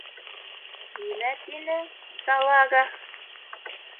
— Нимә тинең, салага?!